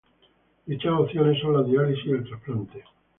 Dichas opciones son la diálisis y el trasplante.